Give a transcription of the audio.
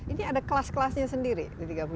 ini ada kelas kelasnya sendiri di tiga puluh lima